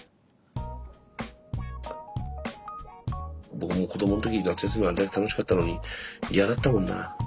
僕も子どもの時夏休みあれだけ楽しかったのに嫌だったもんな。